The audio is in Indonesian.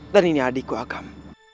dan ini adikku agam